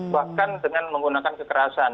bahkan dengan menggunakan kekerasan